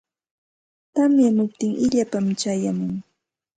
Tamyamuptin illapam chayamun.